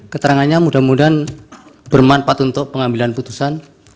keterangannya mudah mudahan bermanfaat untuk pengambilan putusan